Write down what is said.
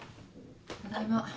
ただいま。